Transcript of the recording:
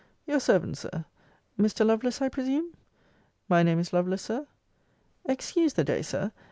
Your servant, Sir, Mr. Lovelace, I presume? My name is Lovelace, Sir. Excuse the day, Sir.